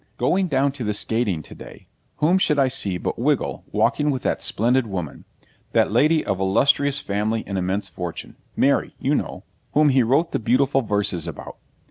Going down to the skating to day, whom should I see but Wiggle walking with that splendid woman that lady of illustrious family and immense fortune, Mary, you know, whom he wrote the beautiful verses about.